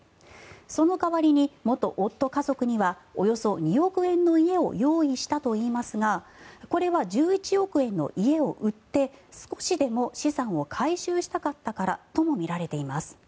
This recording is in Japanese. その代わりに元夫家族にはおよそ２億円の家を用意したといいますがこれは１１億円の家を売って少しでも資産を回収したかったからともみられています。